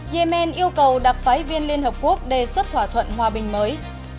yemen yêu cầu đặc phái viên liên hợp quốc đề xuất thỏa thuận hòa bình mới